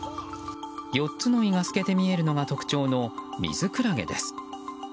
４つの胃が透けて見えるのが特徴のミズクラゲです。